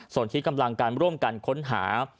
ส่วนที่กำลังการร่วมกันค้นหา